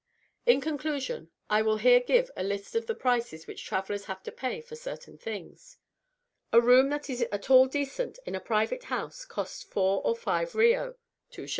In conclusion, I will here give a list of the prices which travellers have to pay for certain things: A room that is at all decent in a private house costs four or five reaux (2s.)